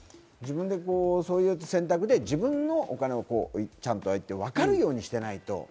そういう選択で自分のお金をちゃんとわかるようにしていないと。